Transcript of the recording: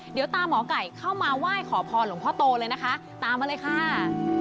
เดี๋ยวตามหมอไก่เข้ามาไหว้ขอพรหลวงพ่อโตเลยนะคะตามมาเลยค่ะ